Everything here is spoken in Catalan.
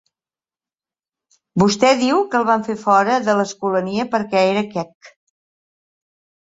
Vostè diu que el van fer fora de l'Escolania perquè era quec.